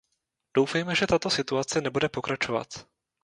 Doufejme, že tato situace nebude pokračovat.